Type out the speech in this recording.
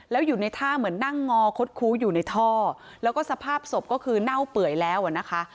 แล้วอยู่ในท่าเหมือนนั่งงอคดคู้อยู่ในท่อแล้วก็สภาพศพก็คือเน่าเปื่อยแล้วอ่ะนะคะ